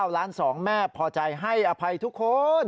ล้าน๒แม่พอใจให้อภัยทุกคน